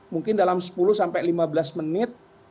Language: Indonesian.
mungkin dalam sepuluh sampai lima belas menit